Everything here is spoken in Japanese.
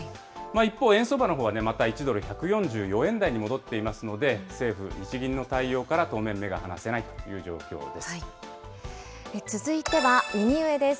一方、円相場のほうはまた１ドル１４４円台に戻っていますので、政府・日銀の対応から当面目が離続いては右上です。